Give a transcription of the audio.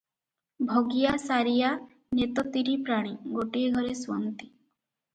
ଭଗିଆ, ସାରିଆ, ନେତ ତିନି ପ୍ରାଣୀ ଗୋଟିଏ ଘରେ ଶୁଅନ୍ତି ।